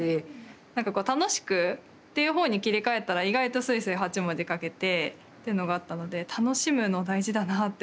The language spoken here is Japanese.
なんかこう楽しくっていうほうに切り替えたら意外とスイスイ８文字書けてというのがあったので楽しむの大事だなって思いながら。